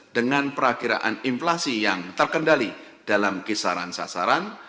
dengan perakiraan inflasi yang terkendali dalam kisaran sasaran